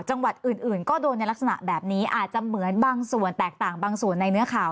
จังหวัดอื่นก็โดนในลักษณะแบบนี้อาจจะเหมือนบางส่วนแตกต่างบางส่วนในเนื้อข่าว